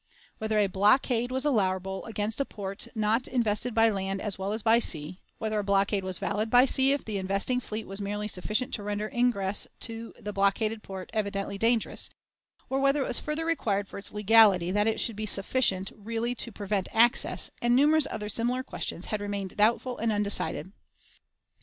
Whether a blockade was allowable against a port not invested by land as well as by sea, whether a blockade was valid by sea if the investing fleet was merely sufficient to render ingress to the blockaded port evidently dangerous, or whether it was further required for its legality that it should be sufficient "really to prevent access," and numerous other similar questions, had remained doubtful and undecided.